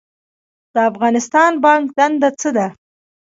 د افغانستان بانک دنده څه ده؟